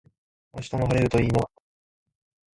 明日も晴れるといいな